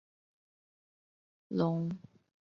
龚氏曼盲蝽为盲蝽科曼盲蝽属下的一个种。